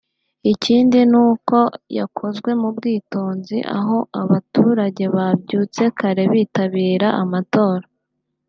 ikindi n’uko yakozwe mu bwitonzi aho aba baturage babyutse kare bitabira amatora